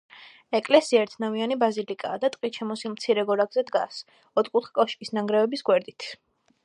ეკლესია ერთნავიანი ბაზილიკაა და ტყით შემოსილ მცირე გორაკზე დგას, ოთხკუთხა კოშკის ნანგრევის გვერდით.